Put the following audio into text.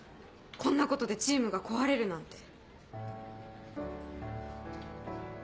こんなことでチームが壊れるなんて。